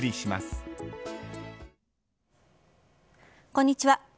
こんにちは。